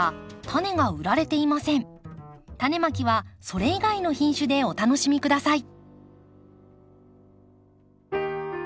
タネまきはそれ以外の品種でお楽しみ下さい。